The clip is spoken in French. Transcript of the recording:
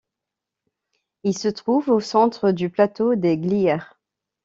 Il se trouve au centre du plateau des Glières.